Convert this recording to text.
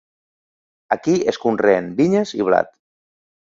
Aquí es conreen vinyes i blat.